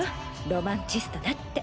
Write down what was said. ロマンチストだって。